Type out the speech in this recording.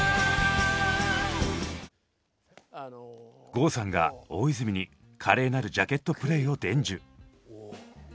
郷さんが大泉に華麗なるジャケットプレイを伝授。